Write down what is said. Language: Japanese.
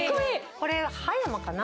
これ葉山かな？